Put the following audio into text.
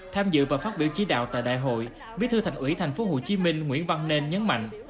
tham dự và phát biểu chỉ đạo tại đại hội bí thư thành ủy tp hcm nguyễn văn nên nhấn mạnh